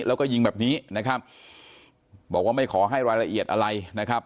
แล้วก็ยิงแบบนี้นะครับบอกว่าไม่ขอให้รายละเอียดอะไรนะครับ